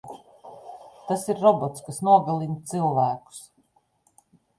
Tas ir robots, kas nogalina cilvēkus.